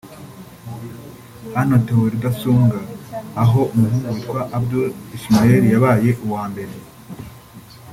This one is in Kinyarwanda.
Hanatowe Rudasumbwa aho umuhungu witwa Abdul Ishmael yabaye uwa mbere